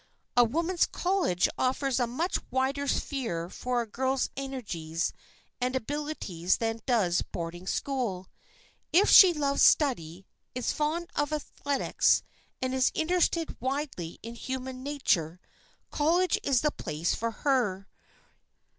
[Sidenote: THE WOMAN'S COLLEGE] A woman's college offers a much wider sphere for a girl's energies and abilities than does boarding school. If she loves study, is fond of athletics and is interested widely in human nature, college is the place for her.